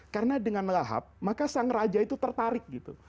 karena dengan lahap maka sang raja itu tertarik gitu